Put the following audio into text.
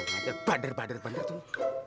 bandar bandar bandar bandar tuh